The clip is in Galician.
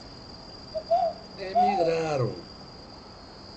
Emigraron.